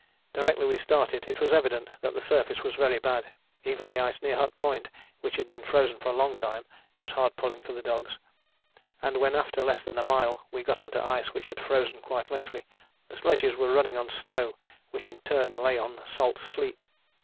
Directly we started it was evident that the surface was very bad: even the ice near Hut Point, which had been frozen for a long time, was hard pulling for the dogs, and when after less than a mile we got on to ice which had frozen quite lately the sledges were running on snow which in turn lay on salt sleet.